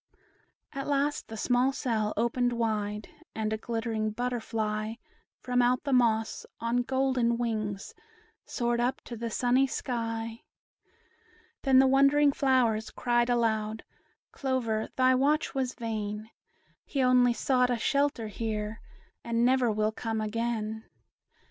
At last the small cell opened wide, And a glittering butterfly, From out the moss, on golden wings, Soared up to the sunny sky. Then the wondering flowers cried aloud, "Clover, thy watch was vain; He only sought a shelter here, And never will come again."